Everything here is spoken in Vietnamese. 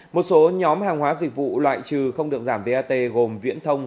một số nhóm hàng hóa dịch vụ loại trừ không được giảm vat gồm viễn thông